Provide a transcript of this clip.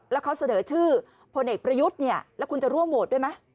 แล้วเขาเสนอชื่อพลเอกประยุทธ์เนี่ยแล้วคุณจะร่วมโหวตด้วยไหม